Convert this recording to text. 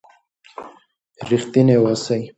ریښتینی اوسئ.